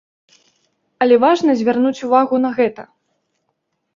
Але важна звярнуць увагу на гэта.